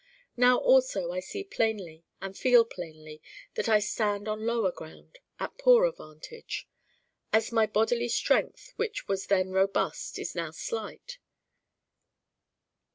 Now also I see plainly and feel plainly that I stand on lower ground, at poorer vantage. As my bodily strength which was then robust is now slight.